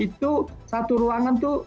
itu satu ruangan tuh